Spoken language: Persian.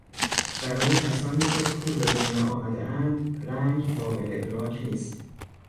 برای کسانی که کور به دنیا آمدهاند رنگ قابل ادراک نیست.